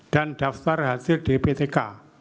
dan daftar hadir dpt k